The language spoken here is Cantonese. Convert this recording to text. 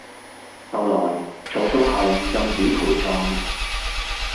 後來曹操下令禁止陪葬